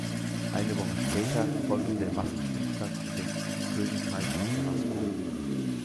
Eine Woche später folgte der Waffenstillstand mit dem Königreich in Cherasco.